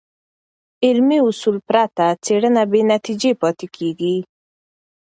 علمي اصول پرته څېړنې بېنتیجه پاتې کېږي.